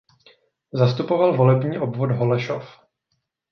Zastupoval volební obvod Holešov.